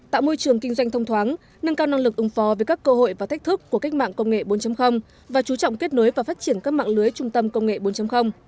tạo môi trường kinh doanh thông thoáng nâng cao năng lực ứng phó với các cơ hội và thách thức của cách mạng công nghệ bốn và chú trọng kết nối và phát triển các mạng lưới trung tâm công nghệ bốn